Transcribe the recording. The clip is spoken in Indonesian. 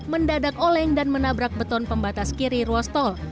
mendadak oleng dan menabrak beton pembatas kiri ruas tol